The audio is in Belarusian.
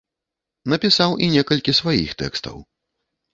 Напісаў і некалькі сваіх тэкстаў.